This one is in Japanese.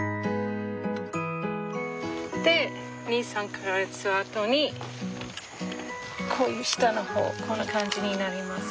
で２３か月あとにこういう下の方こんな感じになります。